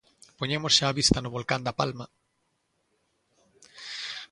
Poñemos xa a vista no volcán da Palma.